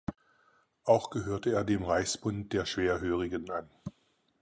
Auch gehörte er dem Reichsbund der Schwerhörigen an.